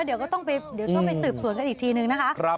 เดี๋ยวก็ต้องไปสืบส่วนกันอีกทีนึงนะคะ